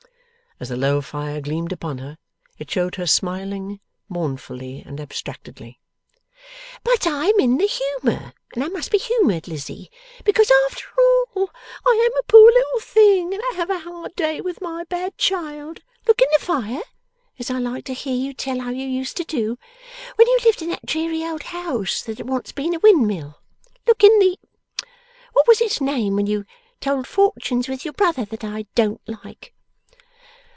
As the low fire gleamed upon her, it showed her smiling, mournfully and abstractedly. 'But I am in the humour, and I must be humoured, Lizzie, because after all I am a poor little thing, and have had a hard day with my bad child. Look in the fire, as I like to hear you tell how you used to do when you lived in that dreary old house that had once been a windmill. Look in the what was its name when you told fortunes with your brother that I DON'T like?